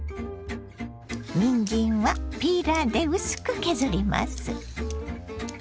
にんじんはピーラーで薄く削ります。